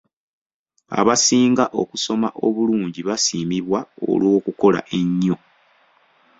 Abasinga okusoma obulungi basiimibwa olw'okukola ennyo.